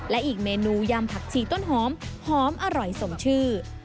และอีกเมนูยำผักชีต้นหอมหอมอร่อยสมชื่อ